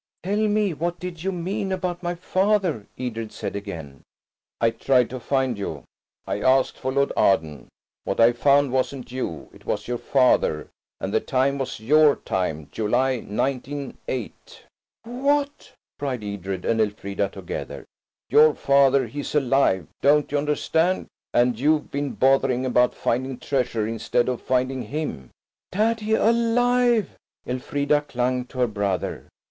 "Tell me, what did you mean–about my father?" Edred said again. "I tried to find you–I asked for Lord Arden. What I found wasn't you–it was your father. And the time was your time, July, 1908." "WHAT!" cried Edred and Elfrida together. "Your father–he's alive–don't you understand? And you've been bothering about finding treasure instead of finding him." "Daddy–alive!" Elfrida clung to her brother.